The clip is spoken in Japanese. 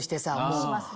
しますね。